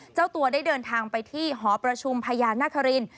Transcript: เจ้าตัวได้เดินทางไปที่หอประชุมพญานาคาริน